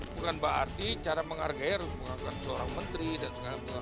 bukan berarti cara menghargai harus menghargai seorang menteri dan segala macam